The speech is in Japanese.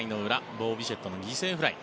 ボー・ビシェットの犠牲フライ。